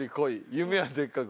「夢はでっかく」。